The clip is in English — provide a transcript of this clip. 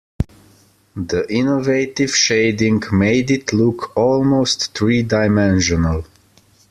The innovative shading made it look almost three-dimensional.